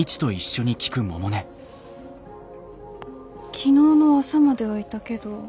昨日の朝まではいたけど。